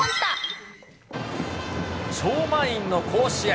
超満員の甲子園。